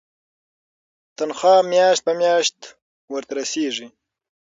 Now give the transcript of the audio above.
تنخوا میاشت په میاشت ورته رسیږي.